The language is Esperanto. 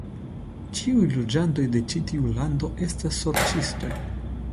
Ĉiuj loĝantoj de ĉi tiu lando estas sorĉistoj.